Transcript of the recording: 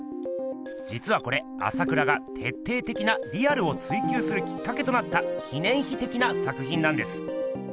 じつはこれ朝倉が徹底的なリアルを追求するきっかけとなった記念碑的な作品なんです。